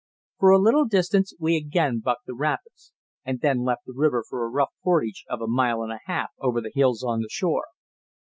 For a little distance we again bucked the rapids, and then left the river for a rough portage of a mile and a half over the hills on the shore.